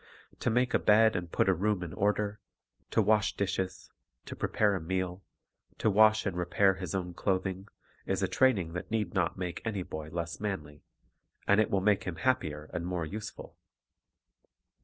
To make a bed and put a room in order, to wash dishes, to prepare a meal, to wash and repair his own clothing, is a training that need not make any boy less manly; it will make him happier and more useful.